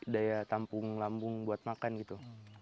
daya tampung lambung buat makan gitu